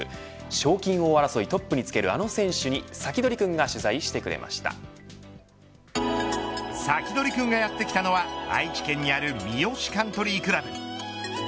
賞金王争いでトップにつけるあの選手にサキドリくんがサキドリくんがやってきたのは愛知県にある三好カントリー倶楽部。